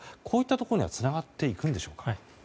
こういったところにはつながっていくんでしょうか。